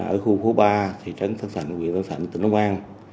ở khu khu ba thị trấn thân thạnh quỳ thân thạnh tỉnh long an